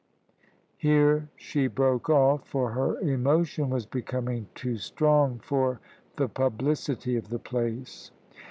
Here she broke off, for her emotion was becoming too strong for the publicity of the place.